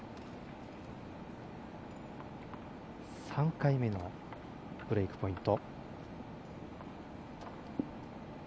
３回目のブレークポイント。